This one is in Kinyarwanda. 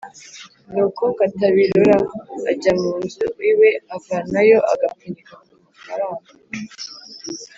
Nuko Katabirora ajya mu nzu iwe, avanayo agapfunyika k’amafaranga,